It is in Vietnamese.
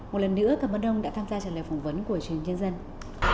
một lần nữa cảm ơn ông đã tham gia trả lời phỏng vấn của truyền hình nhân dân